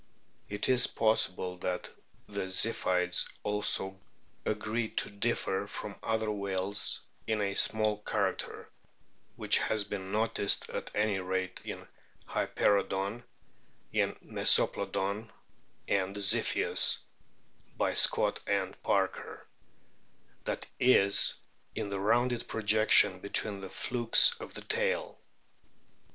It is possible that the Ziphioids also agree to differ from other whales in a small character, which has been noticed at any rate in Hyperoodon, in Mesoplodon, and Zipkius (by Scott and Parker) ; that is in the rounded projection between the flukes of the tail.